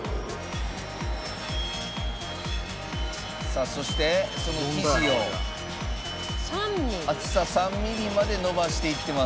さあそしてその生地を厚さ３ミリまで伸ばしていってます。